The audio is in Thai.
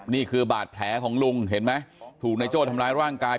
นี่คือบาดแผลของลุงเห็นไหมถูกนายโจ้ทำร้ายร่างกาย